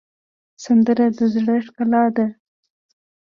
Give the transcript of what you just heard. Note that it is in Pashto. سندره د زړه ښکلا ده